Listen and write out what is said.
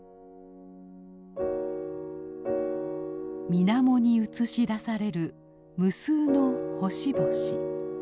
みなもに映し出される無数の星々。